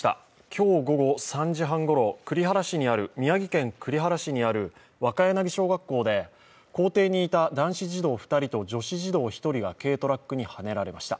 今日午後３時半ごろ宮城県栗原市にある若柳小学校で、校庭にいた男子児童２人と女子児童１人が軽トラックにはねられました。